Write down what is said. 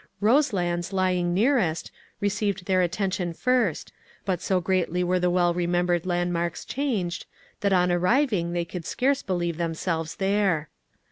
Roselands lying nearest, received their attention first, but so greatly were the well remembered landmarks changed, that on arriving, they could scarce believe themselves there.